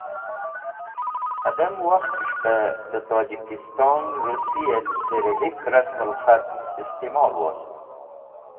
Hadem Wakht es̃h be de Tojikiston Rusi et Cyrrilic Rasmul khat istimol wost.